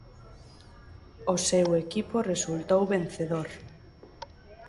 O seu equipo resultou vencedor.